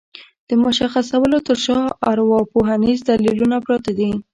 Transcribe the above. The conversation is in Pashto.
د مشخصولو تر شا ارواپوهنيز دليلونه پراته دي.